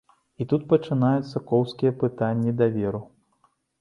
І тут пачынаюцца коўзкія пытанні даверу.